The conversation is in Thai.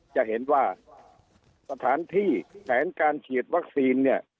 จะเห็นว่าสถานที่แผนการฉีดวัคซีนเนี่ย